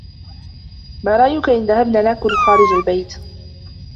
ما رأيك إن ذهبنا نأكل خارج البيت ؟